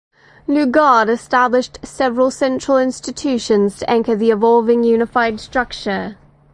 Lugard established several central institutions to anchor the evolving unified structure.